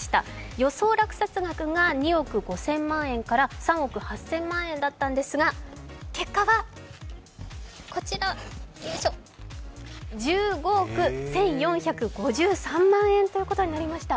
予想落札額が２億５０００万円から３億８０００万円だったんですが結果は１５億１４５３万円ということになりました。